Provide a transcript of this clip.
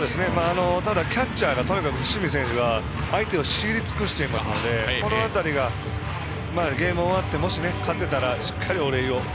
ただ、キャッチャーとにかく伏見選手が相手を知り尽くしていますのでこの辺りがゲーム終わって、もし勝てたらしっかりお礼を言おうと。